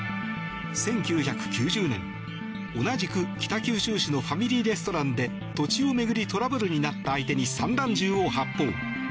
１９９０年、同じく北九州市のファミリーレストランで土地を巡りトラブルになった相手に散弾銃を発砲。